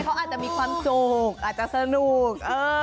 เขาอาจจะมีความสุขอาจจะสนุก